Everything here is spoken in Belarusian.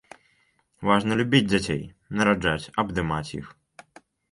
Важна любіць, дзяцей нараджаць, абдымаць іх.